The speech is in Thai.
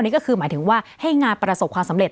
นี่ก็คือหมายถึงว่าให้งานประสบความสำเร็